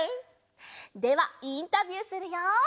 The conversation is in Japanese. ではインタビューするよ。